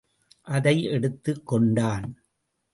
அதை எடுத்துக் கொண்டான்.